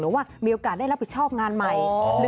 ว่ามีโอกาสได้รับผิดชอบงานใหม่